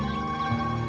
sungguh menjadikanmu peri